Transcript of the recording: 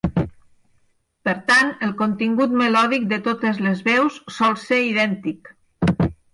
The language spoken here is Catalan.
Per tant, el contingut melòdic de totes les veus sol ser idèntic.